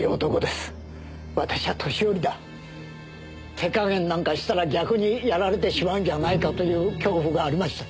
手加減なんかしたら逆にやられてしまうんじゃないかという恐怖がありました。